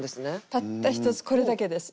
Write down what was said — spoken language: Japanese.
たったひとつこれだけです。